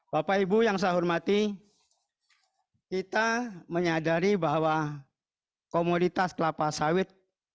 bapak ibu yang saya hormati kita menyadari bahwa komoditas kelapa sawit